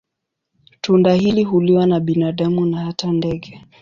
Tunda hili huliwa na binadamu na hata ndege.